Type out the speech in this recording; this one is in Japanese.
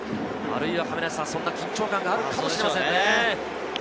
あるいはそんな緊張感があるかもしれませんね。